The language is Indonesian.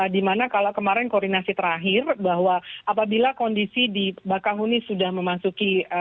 dimana kalau kemarin koordinasi terakhir bahwa apabila kondisi di bakahuni sudah memasuki